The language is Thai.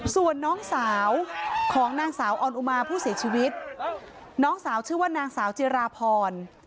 ส่วนน้องสาวของนางสาวออนอุมาผู้เสียชีวิตน้องสาวชื่อว่านางสาวจิราพร